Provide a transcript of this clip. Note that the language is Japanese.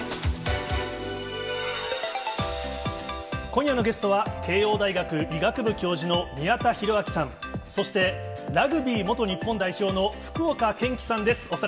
今夜のゲストは、慶応大学医学部教授の宮田裕章さん、そして、ラグビー元日本代表の福岡堅樹さんです。